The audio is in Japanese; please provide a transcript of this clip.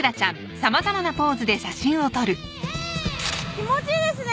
気持ちいいですね